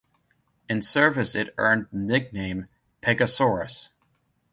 In service it earned the nickname 'Pegasorous'.